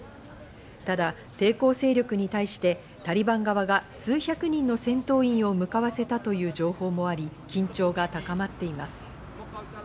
ただ抵抗勢力に対してタリバン側が数百人の戦闘員を向かわせたという情報もあり、緊張が高まっています。